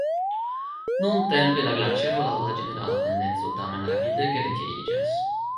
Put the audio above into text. Nuntempe la glaĉero laŭ la ĝenerala tendenco tamen rapidege retiriĝas.